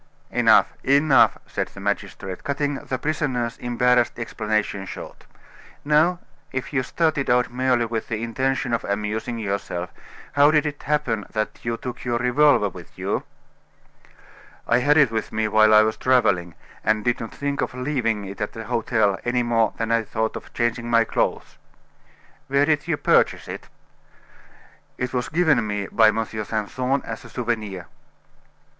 "Enough enough!" said the magistrate, cutting the prisoner's embarrassed explanation short. "Now, if you started out merely with the intention of amusing yourself, how did it happen that you took your revolver with you?" "I had it with me while I was traveling, and did not think of leaving it at the hotel any more than I thought of changing my clothes." "Where did you purchase it?" "It was given me by M. Simpson as a souvenir."